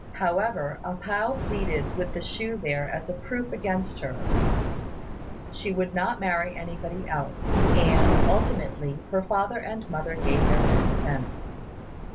However, A pao pleaded that with the shoe there as a proof against her, she would not marry anybody else; and, ultimately, her father and mother gave their consent.